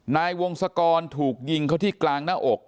นายวงศกรถูกยิงเขาที่กลางหน้าอก